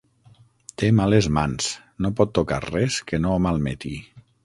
Té males mans: no pot tocar res que no ho malmeti.